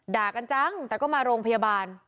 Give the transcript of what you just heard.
ด่ากันจังแต่ก็มาโรงพยาบาล